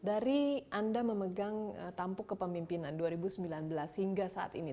dari anda memegang tampuk kepemimpinan dua ribu sembilan belas hingga saat ini